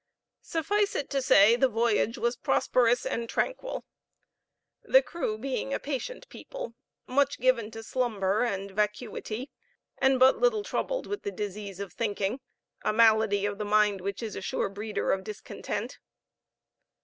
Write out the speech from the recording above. Suffice it to say, the voyage was prosperous and tranquil the crew, being a patient people, much given to slumber and vacuity, and but little troubled with the disease of thinking a malady of the mind, which is the sure breeder of discontent.